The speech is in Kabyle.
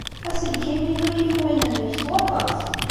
Aselkim-inu yif win-nnek s waṭas.